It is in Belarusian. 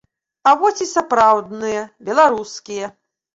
А вось і сапраўдныя беларускія.